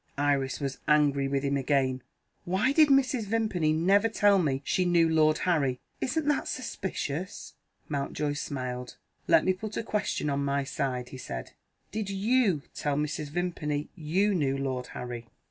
Iris was angry with him again: "Why did Mrs. Vimpany never tell me she knew Lord Harry? Isn't that suspicious?" Mountjoy smiled. "Let me put a question on my side," he said. "Did you tell Mrs. Vimpany you knew Lord Harry?"